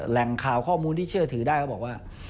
แหล่งข่าวข้อมูลที่เชื่อถือได้เขาบอกว่า